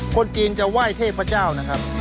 คนจีนจะไหว้เทพเจ้านะครับ